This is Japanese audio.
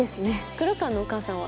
黒川のお母さんは。